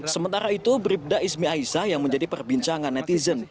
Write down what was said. sementara itu bribda izmi aisa yang menjadi perbincangan netizen